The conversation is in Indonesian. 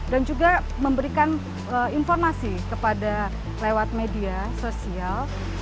dan juga memberikan informasi kepada lewat media sosial